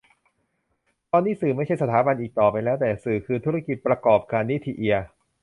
ตอนนี้สื่อไม่ใช่สถาบันอีกต่อไปแล้ว แต่สื่อคือธุรกิจประกอบการ - นิธิ เอีย